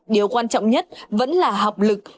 điều quan trọng nhất vẫn là học lực